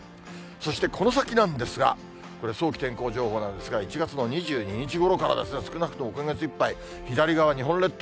そしてこの先なんですが、これ、早期天候情報なんですが、１月の２２日ごろからですね、少なくとも今月いっぱい、左側、日本列島